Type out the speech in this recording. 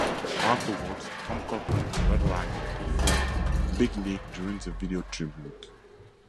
Afterwards, Tom Cochrane and Red Rider performed "Big League" during the video tribute.